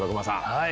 はい。